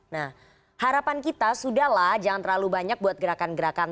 nah harapan kita sudahlah jangan terlalu banyak buat gerakan gerakan